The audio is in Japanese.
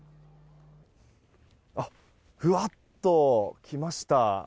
ふわっと来ました。